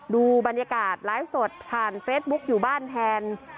ดูบรรยากาศไลฟ์สดผ่านเฟซบุ๊กอยู่บ้านแทน